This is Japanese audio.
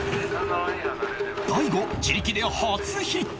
大悟自力で初ヒット！